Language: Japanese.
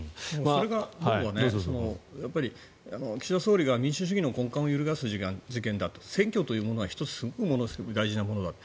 僕は岸田総理が民主主義の根幹を揺るがす事件だと選挙というものはすごく大事なものだと。